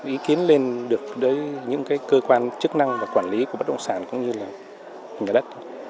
ý kiến lên được những cơ quan chức năng và quản lý của bất động sản cũng như là nhà đất thôi